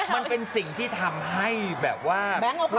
มันเป็นสิ่งที่ทำให้แบบว่า